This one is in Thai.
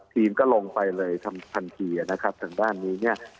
ทีมก็ลงไปเลยทันทีนะครับทางด้านนี้เนี่ย